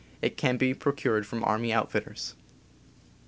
It can be procured from army outfitters.